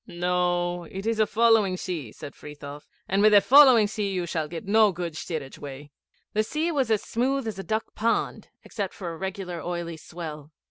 'No, it is a following sea,' said Frithiof; 'and with a following sea you shall not get good steerage way.' The sea was as smooth as a duck pond, except for a regular oily swell.